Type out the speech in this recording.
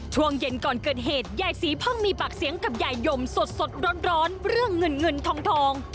ช่วงเย็นก่อนเกิดเหตุยายศรีเพิ่งมีปากเสียงกับยายยมสดร้อนเรื่องเงินเงินทอง